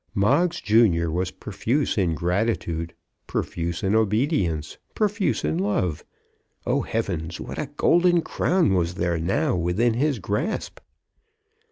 Moggs junior was profuse in gratitude, profuse in obedience, profuse in love. Oh, heavens, what a golden crown was there now within his grasp!